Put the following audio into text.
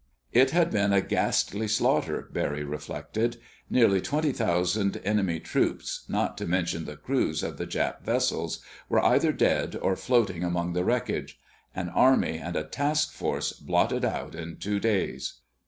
It had been a ghastly slaughter, Barry reflected. Nearly twenty thousand enemy troops, not to mention the crews of the Jap vessels, were either dead or floating among the wreckage. An army and a task force blotted out in two days!